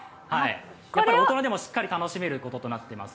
やっぱり大人でもしっかり楽しめるところになっています。